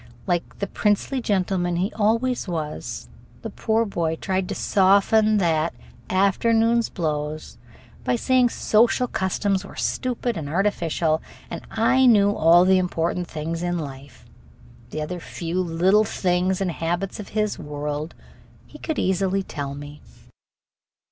Like the princely gentleman he always was, the poor boy tried to soften that after noon's blows by saying social customs were stupid and artificial and I knew all the important things in life. The other few little things and habits of his world he could easily tell me.